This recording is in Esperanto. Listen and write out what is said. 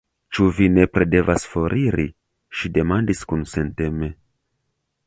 Ĉu vi nepre devas foriri? ŝi demandis kunsenteme.